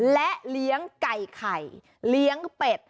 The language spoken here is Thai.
และเลี้ยงไก่ไข่เลี้ยงเป็ด